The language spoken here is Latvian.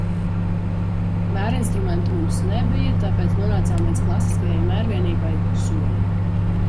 Mērinstrumentu mums nebija, tāpēc nonācām līdz klasiskajai mērvienībai ‘soļi’.